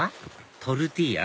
トルティーヤ？